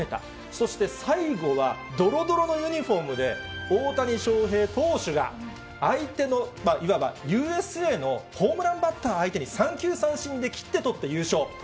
そして、最後はどろどろのユニホームで、大谷翔平投手が、相手の、いわばＵＳＡのホームランバッター相手に三球三振で切って取って優勝。